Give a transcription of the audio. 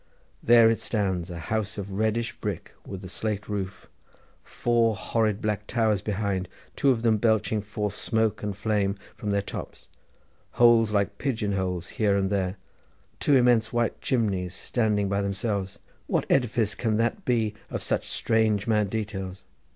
There it stands; a house of reddish brick with a slate roof—four horrid black towers behind, two of them belching forth smoke and flame from their tops—holes like pigeon holes here and there—two immense white chimneys standing by themselves. What edifice can that be of such strange mad details?